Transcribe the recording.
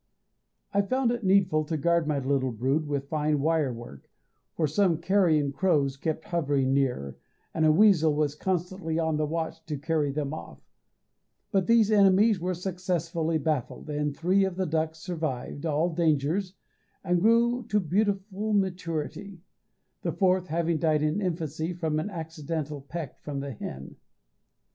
I found it needful to guard my little brood with fine wire work, for some carrion crows kept hovering near, and a weasel was constantly on the watch to carry them off; but these enemies were successfully baffled, and three of the ducks survived all dangers and grew to beautiful maturity, the fourth having died in infancy from an accidental peck from the hen.